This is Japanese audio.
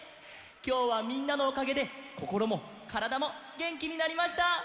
きょうはみんなのおかげでこころもからだもげんきになりました！